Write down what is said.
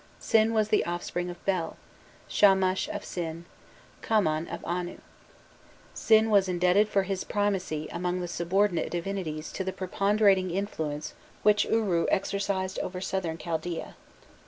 Sin was the offspring of Bel, Shamash of Sin, Kamman of Anu. Sin was indebted for this primacy among the subordinate divinities to the preponderating influence which Uru exercised over Southern Chaldaea.